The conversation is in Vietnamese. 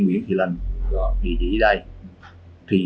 vì phần xe in xác minh